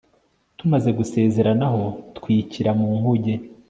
tumaze gusezeranaho twikira mu nkuge